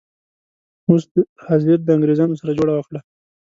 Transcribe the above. اوس حاضر د انګریزانو سره جوړه وکړه.